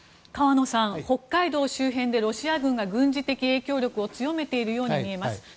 河野さん、北海道周辺でロシア軍が軍事的影響力を強めているように見えます。